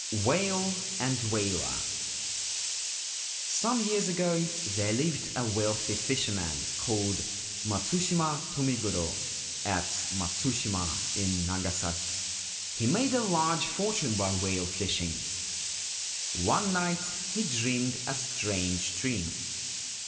WHALE AND WHALER. — Some years ago there lived a wealthy fisherman called Matsushima Tomigoro at Matsushima, in Nagasaki. He made a large fortune by whale fishing. One night he dreamed a strange dream.